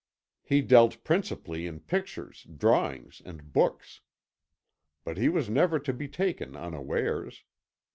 He dealt principally in pictures, drawings, and books. But he was never to be taken unawares.